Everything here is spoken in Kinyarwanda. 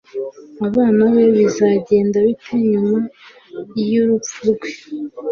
Abana be bizagenda bite nyuma y'urupfu rwe?